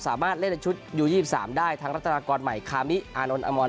สามารถเล่นในชุดยู๒๓ได้ทั้งรัฐนากรใหม่คามิอานนท์อมอน